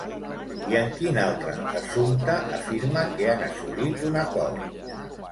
I en quin altre assumpte afirma que han assolit un acord?